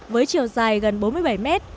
với chiều dài gần bốn mươi bảy mét